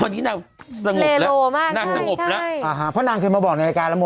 น่ารักมากของคิมก็น่ารัก